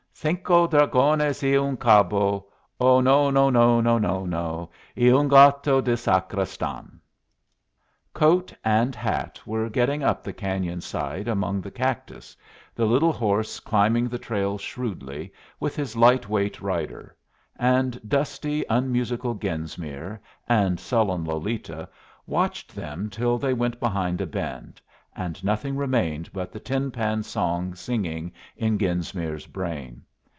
"'Cinco dragones y un cabo, Oh, no no no no no! Y un gato de sacristan.'" Coat and hat were getting up the cañon's side among the cactus, the little horse climbing the trail shrewdly with his light weight rider; and dusty, unmusical Genesmere and sullen Lolita watched them till they went behind a bend, and nothing remained but the tin pan song singing in Genesmere's brain.